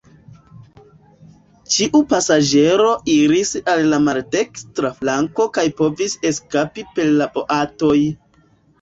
Ĉiu pasaĝero iris al la maldekstra flanko kaj povis eskapi per la boatoj.